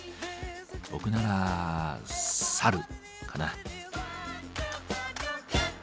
僕ならサルかな。